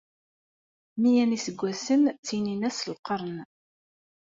Meyya n yiseggasen ttinin-as lqern.